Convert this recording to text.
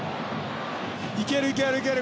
いける、いける。